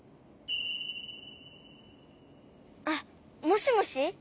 あっもしもし？